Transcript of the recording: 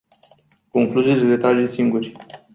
Concluziile le trageți singuri.